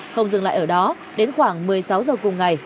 không dừng lại ở đó đến khoảng một mươi sáu giờ cùng ngày